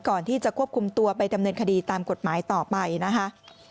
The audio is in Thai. ก่อนที่จะควบคุมตัวไปดำเนินคดีตามกฎหมายต่อไปนะคะ